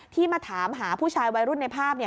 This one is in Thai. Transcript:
ที่มาถามหาผู้ชายวัยรุ่นในภาพเนี่ย